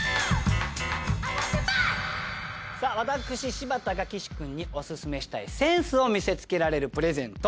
私柴田が岸君にお薦めしたいセンスを見せつけられるプレゼント。